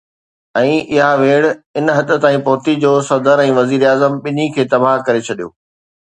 ۽ اها ويڙهه ان حد تائين پهتي جو صدر ۽ وزير اعظم ٻنهي کي تباهه ڪري ڇڏيو.